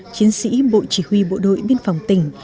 chiến sĩ bộ chỉ huy bộ đội biên phòng tỉnh